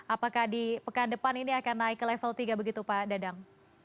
apakah di pekan depan ini akan naik ke level tiga begitu pak dadang